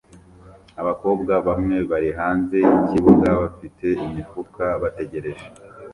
Abakobwa bamwe bari hanze yikibuga bafite imifuka bategereje